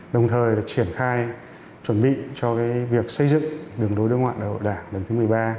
đồng thời triển khai chuẩn bị cho việc xây dựng đường đối ngoại đại hội đảng lần thứ một mươi ba